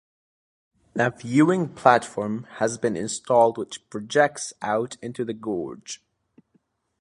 A viewing platform has been installed which projects out into the Gorge.